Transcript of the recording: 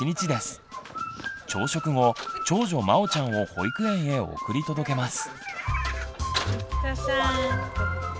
朝食後長女まおちゃんを保育園へ送り届けます。